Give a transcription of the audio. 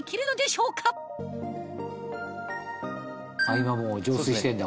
今もう浄水してんだ。